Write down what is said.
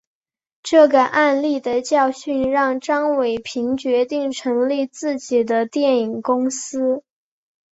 这个案例的教训让张伟平决定成立自己的电影公司。